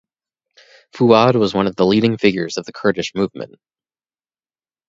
Fuad was one of the leading figures of the Kurdish movement.